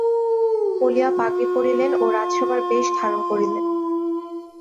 বলিয়া পাগড়ি পরিলেন ও রাজসভার বেশ ধারণ করিলেন।